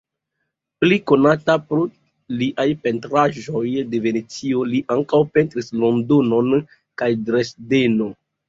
Pli konata pro liaj pentraĵoj de Venecio, li ankaŭ pentris Londonon kaj Dresdeno.